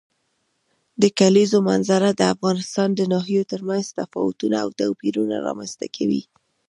د کلیزو منظره د افغانستان د ناحیو ترمنځ تفاوتونه او توپیرونه رامنځ ته کوي.